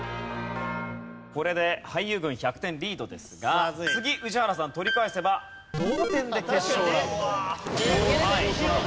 これで俳優軍１００点リードですが次宇治原さん取り返せば同点で決勝ラウンド。